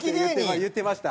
言ってました。